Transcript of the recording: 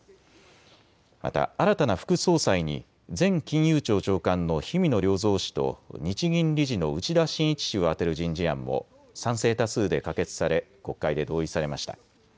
また新たな副総裁に前金融庁長官の氷見野良三氏と日銀理事の内田眞一氏を充てる人事案も賛成多数で可決され国会で同意されました。